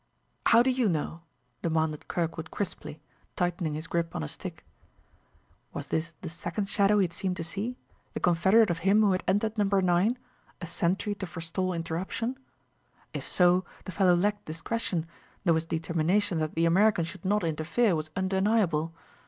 "How do you know?" demanded Kirkwood crisply, tightening his grip on his stick. Was this the second shadow he had seemed to see the confederate of him who had entered Number 9; a sentry to forestall interruption? If so, the fellow lacked discretion, though his determination that the American should not interfere was undeniable.